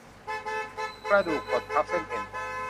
กระดูกกดทับเส้นเอ็น